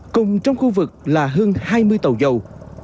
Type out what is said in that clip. cùng trong khu vực là hơn hai mươi tàu dầu